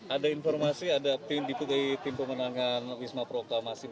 ada informasi ada tim diputihkan tim pemenangan wisma proklamasi empat puluh satu